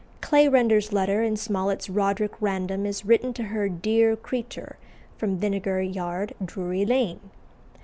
Clayrender's letter in Smollett's Roderick Random is written to her "dear kreetur" from "Winegar Yard, Droory Lane."